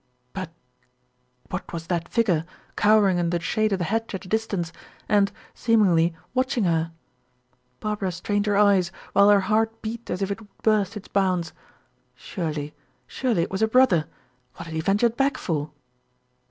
But what was that figure cowering under the shade of the hedge at a distance, and seemingly, watching her? Barbara strained her eyes, while her heart beat as if it would burst its bounds. Surely, surely, it was her brother? What had he ventured back for?